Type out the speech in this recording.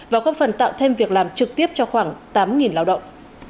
và góp phần tạo thêm việc làm trực tiếp cho khoảng tám lao động